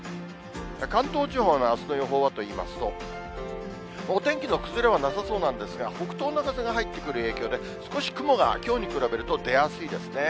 関東地方のあすの予報はといいますと、お天気の崩れはなさそうなんですが、北東の風が入ってくる影響で、少し雲が、きょうに比べると出やすいですね。